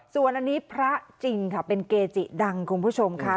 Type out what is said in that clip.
ส่วนอันนี้พระจริงค่ะเป็นเกจิดังคุณผู้ชมค่ะ